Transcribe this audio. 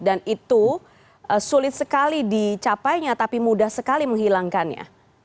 dan itu sulit sekali dicapainya tapi mudah sekali menghilangkannya